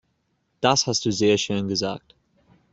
Das hast du sehr schön gesagt.